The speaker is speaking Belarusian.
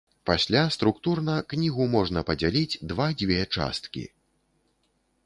Пасля структурна кнігу можна падзяліць два дзве часткі.